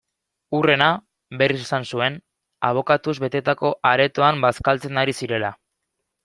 Hurrena, berriz esan zuen, abokatuz betetako aretoan bazkaltzen ari zirela.